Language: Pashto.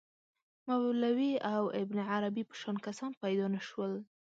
مولوی او ابن عربي په شان کسان پیدا نه شول.